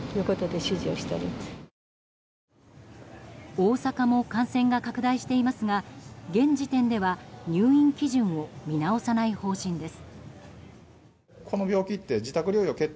大阪も感染が拡大していますが現時点では入院基準を見直さない方針です。